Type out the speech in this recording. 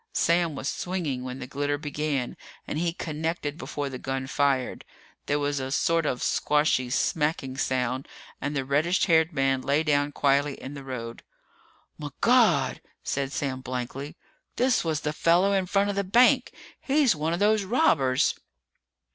Sam was swinging when the glitter began and he connected before the gun fired. There was a sort of squashy, smacking sound and the reddish haired man lay down quietly in the road. "Migawd!" said Sam blankly. "This was the fella in front of the bank! He's one of those robbers!"